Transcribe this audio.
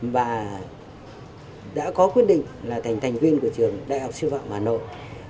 và đã có quyết định là thành thành viên của trường đại học sư phạm hà nội